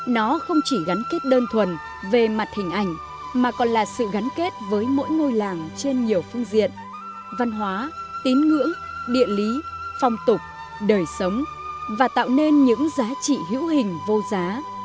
nó không chỉ gắn kết đơn thuần về mặt hình ảnh mà còn là sự gắn kết với mỗi ngôi làng trên nhiều phương diện văn hóa tín ngưỡng địa lý phong tục đời sống và tạo nên những giá trị hữu hình vô giá